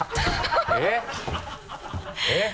えっえっ？